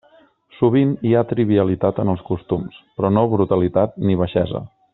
Sovint hi ha trivialitat en els costums, però no brutalitat ni baixesa.